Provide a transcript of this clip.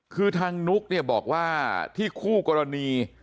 คือทางนุ๊กเนี่ยบอกว่าที่คู่กรณี